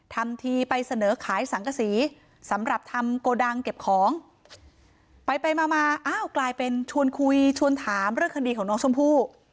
ทำทีไปเสนอขายสังกษีสำหรับทำโกดังเก็บของไปไปมามาอ้าวกลายเป็นชวนคุยชวนถามเรื่องคดีของน้องชมพู่